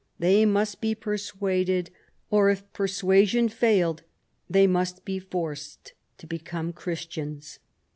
They must be persuaded, or, if persuasion failed, they must be forced, to become Christians.